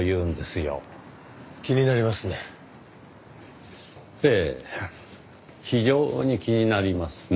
非常に気になりますねぇ。